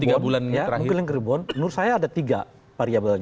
mungkin kak ribon menurut saya ada tiga variabelnya